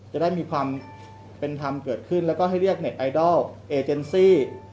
จะได้มีความเป็นธรรมเกิดขึ้นแล้วก็ให้เรียกเน็ตไอดอลเอเจนซี่